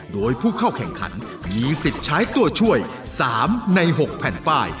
โดยผู้เข้าแข่งขันมีสิทธิ์ใช้ตัวช่วย๓ใน๖แผ่นป้าย